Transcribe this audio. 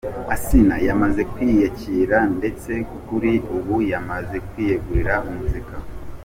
Asinah yamaze kwiyakira ndetse kuri ubu yamaze kwiyegurira muzika